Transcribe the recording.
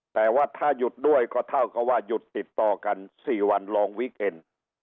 แต่ว่าถ้าหยุดด้วยก็เท่ากับว่าหยุดติดต่อกัน๔วันลองวิกเอ็น